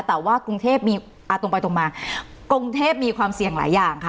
แต่ว่ากรุงเทพมีตรงไปตรงมากรุงเทพมีความเสี่ยงหลายอย่างค่ะ